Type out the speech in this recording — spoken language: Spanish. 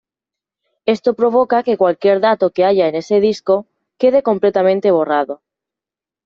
Esto provoca que cualquier dato que haya en ese disco quede completamente borrado.